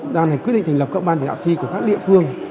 ban hành quyết định thành lập các ban chỉ đạo thi của các địa phương